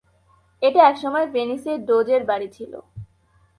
এটা একসময় ভেনিসের ডোজের বাড়ি ছিল।